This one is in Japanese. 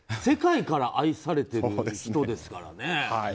世界から愛されてる人ですからね。